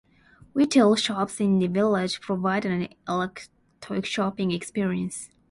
Retail shops in the village provide an eclectic shopping experience.